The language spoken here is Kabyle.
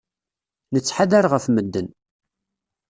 Nettḥadar ɣef medden.